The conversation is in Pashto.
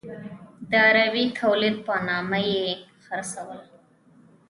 د عربي تولید په نامه یې خرڅول.